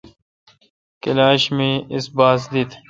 کلاش می اس باس دیت۔